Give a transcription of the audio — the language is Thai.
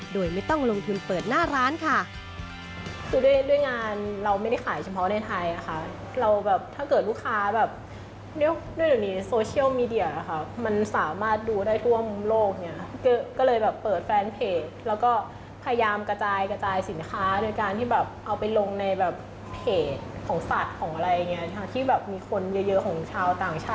โดยไม่ต้องลงทุนเปิดหน้าร้านค่ะ